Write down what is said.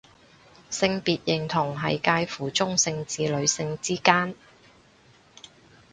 性別認同係界乎中性至女性之間